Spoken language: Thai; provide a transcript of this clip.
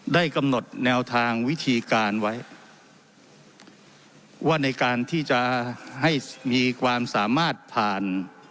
ได้กำหนดแนวทางวิธีการไว้ว่าในการที่จะให้มีความสามารถผ่าน